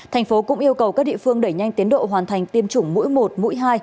thành phố cũng yêu cầu các địa phương đẩy nhanh tiến độ hoàn thành tiêm chủng mũi một mũi hai